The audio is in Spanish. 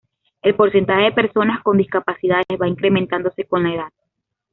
El porcentaje de personas con discapacidades va incrementándose con la edad.